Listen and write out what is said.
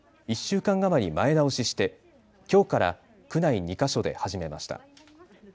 １週間余り前倒ししてきょうから区内２か所で始めました。